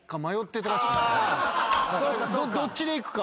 どっちでいくか。